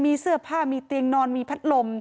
มีเสื้อผ้ามีเตียงนอนมีพัดลม